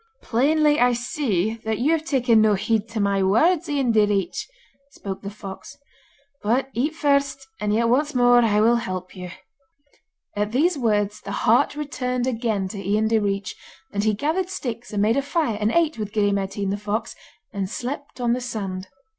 'Plainly I see that you have taken no heed to my words, Ian Direach,' spoke the fox. 'But eat first, and yet once more will I help you.' At these words the heart returned again to Ian Direach, and he gathered sticks and made a fire and ate with Gille Mairtean the fox, and slept on the sand.